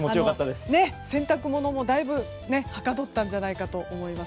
洗濯物も大分はかどったのではないかと思います。